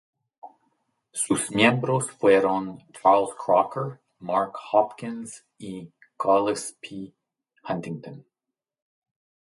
Sus miembros fueron Charles Crocker, Mark Hopkins y Collis P. Huntington.